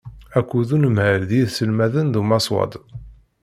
Akked unemhal d yiselmaden d umaswaḍ.